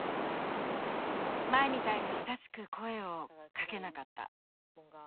前みたいに親しく声をかけなかった。